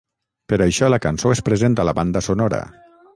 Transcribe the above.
Per això, la cançó és present a la banda sonora.